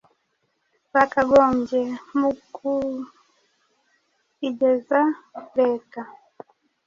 bakagombye mu kuyigeza Leta.